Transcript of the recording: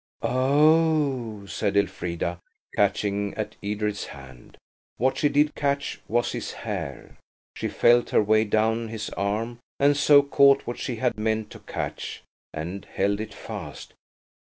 "Oh!" said Elfrida, catching at Edred's hand. What she did catch was his hair. She felt her way down his arm, and so caught what she had meant to catch, and held it fast.